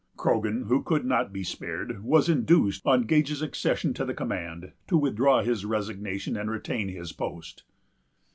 Croghan, who could not be spared, was induced, on Gage's accession to the command, to withdraw his resignation and retain his post.